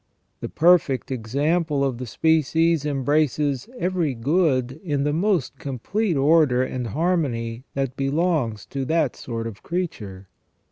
The perfect example of the species embraces every good in the most complete order and harmony that belongs to that sort of creature.